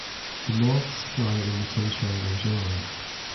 The moths fly in the sunshine in July.